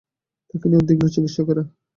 তাঁকে নিয়ে উদ্বিগ্ন চিকিৎসকেরা।